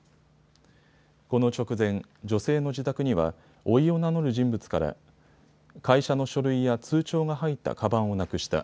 この直前、女性の自宅にはおいを名乗る人物から会社の書類や通帳が入ったかばんをなくした。